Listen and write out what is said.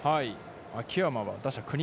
秋山は打者９人。